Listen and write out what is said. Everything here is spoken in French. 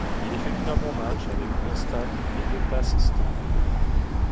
Il effectue un bon match avec onze tacles et deux passes stoppées.